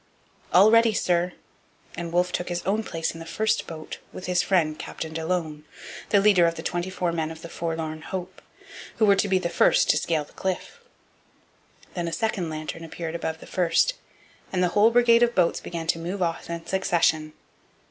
'All ready, sir!' and Wolfe took his own place in the first boat with his friend Captain Delaune, the leader of the twenty four men of the 'Forlorn Hope,' who were to be the first to scale the cliff. Then a second lantern appeared above the first; and the whole brigade of boats began to move off in succession.